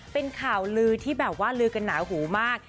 เป็นข่าวลือที่แบบว่าลือกันหนาหูมาก